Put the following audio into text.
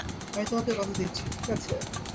আমি তোমাকে কথা দিচ্ছি, ঠিক আছে?